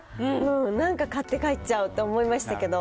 なんか買って帰っちゃうと思いましたけど。